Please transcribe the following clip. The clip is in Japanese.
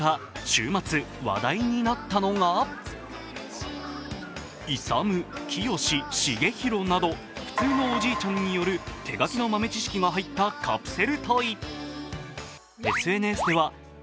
週末、話題になったのがいさむ、きよし、しげひろなど普通のおじいちゃんによる手書きの豆知識が入ったカプセルトイ。